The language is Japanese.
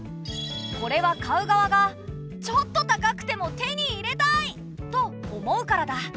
これは買う側が「ちょっと高くても手に入れたい！」と思うからだ。